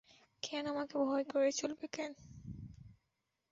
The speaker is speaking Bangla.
কেন, আমাকে ভয় করে চলবে কেন?